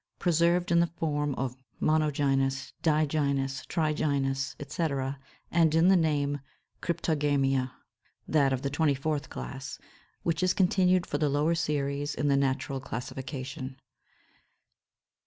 preserved in the form of monogynous, digynous, trigynous, etc. (301); and in the name Cryptogamia, that of the 24th class, which is continued for the lower series in the natural classification.